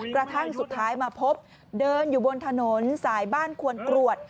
กระทั่งสุดท้ายมาพบเดินอยู่บนถนนสายบ้านควนกรวด